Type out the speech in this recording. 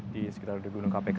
di sekitar gunung kpk